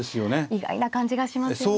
意外な感じがしますよね。